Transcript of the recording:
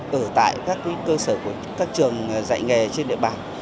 với các cơ sở của các trường dạy nghề trên địa bàn